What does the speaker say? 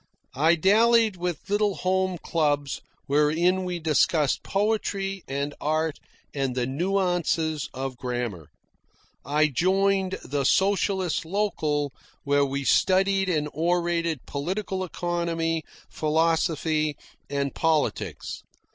I dallied with little home clubs wherein we discussed poetry and art and the nuances of grammar. I joined the socialist local where we studied and orated political economy, philosophy, and politics.